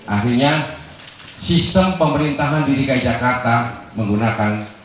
akhirnya sistem pemerintahan didikai jakarta menggunakan